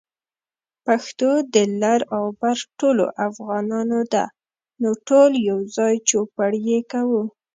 پښتو د لر او بر ټولو افغانانو ده، نو ټول يوځای چوپړ يې کوو